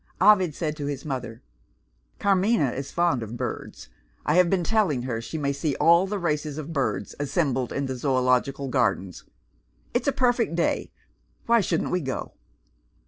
Ovid said to his mother, "Carmina is fond of birds. I have been telling her she may see all the races of birds assembled in the Zoological Gardens. It's a perfect day. Why shouldn't we go!"